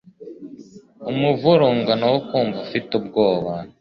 Umuvurungano wo kumva ufite ubwoba